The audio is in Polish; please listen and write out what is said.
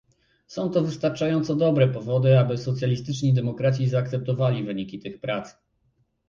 Są to wystarczająco dobre powody, aby socjalistyczni demokraci zaakceptowali wyniki tych prac